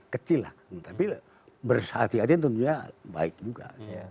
kecil lah tapi bersati ati tentunya baik juga